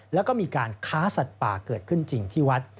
แล้วก็มีการค้าสัตว์ป่าเกิดขึ้นจริงที่วัด